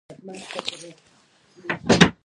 انار د افغانستان د جغرافیایي موقیعت پایله ده.